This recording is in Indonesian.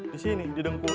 di sini di dengkul